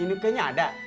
ini kayaknya ada